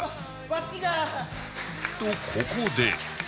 とここで